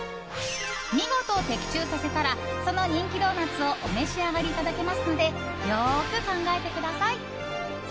見事、的中させたらその人気ドーナツをお召し上がりいただけますのでよく考えてください。